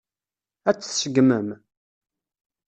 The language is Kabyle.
Ad t-tseggmem?